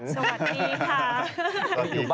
สวัสดีค่ะ